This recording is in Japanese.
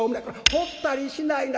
「ほったりしないな。